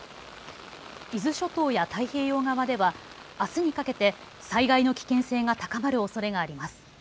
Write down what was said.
伊豆諸島や太平洋側ではあすにかけて災害の危険性が高まるおそれがあります。